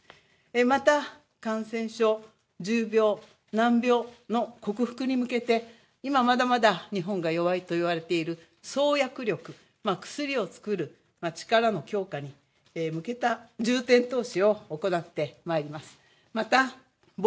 また、感染症、重病、難病の克服に向けて今まだまだ日本が弱いと言われている、創薬力、薬を作る力の強化に向けた重点投資を行ってまいります。